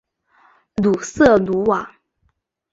鲁瑟卢瓦。